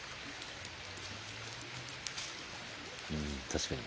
うん確かに。